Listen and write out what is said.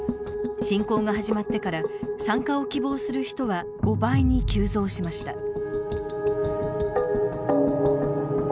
侵攻が始まってから参加を希望する人は５倍に急増しました。